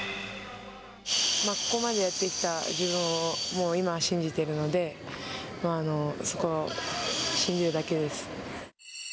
ここまでやってきた自分を、もう、今は信じてるので、そこを信じるだけです。